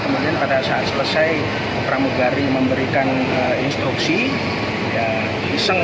kemudian pada saat selesai pramugari memberikan instruksi